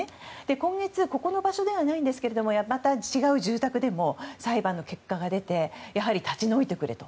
今月ここではないんですけれどもまた違う住宅でも裁判の結果が出てやはり立ち退いてくれと。